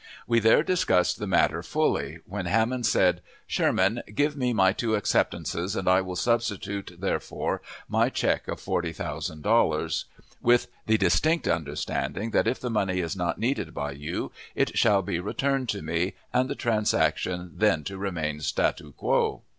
We there discussed the matter fully, when Hammond said, "Sherman, give me up my two acceptances, and I will substitute therefor my check of forty thousand dollars," with "the distinct understanding that, if the money is not needed by you, it shall be returned to me, and the transaction then to remain statu quo."